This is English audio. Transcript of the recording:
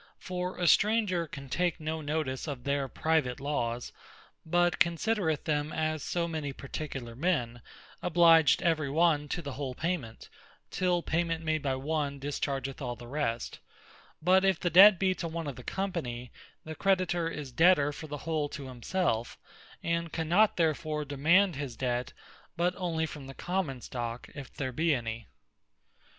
For a stranger can take no notice of their private Lawes, but considereth them as so many particular men, obliged every one to the whole payment, till payment made by one dischargeth all the rest: But if the debt be to one of the Company, the creditor is debter for the whole to himself, and cannot therefore demand his debt, but only from the common stock, if there be any.